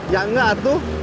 ya enggak tuh